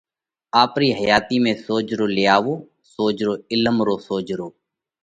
آپرِي حياتِي ۾ سوجھرو لياوو، سوجھرو عِلم رو سوجھرو۔